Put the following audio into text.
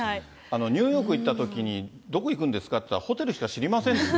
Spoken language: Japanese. ニューヨーク行ったときに、どこ行くんですかって言ったら、ホテルしか知りませんって。